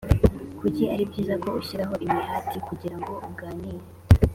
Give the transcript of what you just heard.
Kuki ari byiza ko ushyiraho imihati kugira ngo uganire